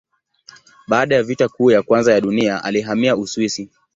Baada ya Vita Kuu ya Kwanza ya Dunia alihamia Uswisi.